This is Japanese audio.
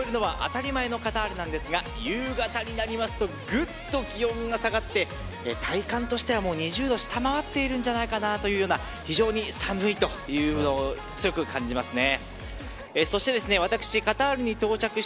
日中、３０度を超えるのは当たり前なカタールなんですが夕方になりますとぐっと気温が下がって体感としては２０度を下回っているんじゃないかなというような非常に寒いというのを強く感じますね。